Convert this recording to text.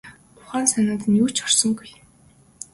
Ухаан санаанд нь юу ч орсонгүй.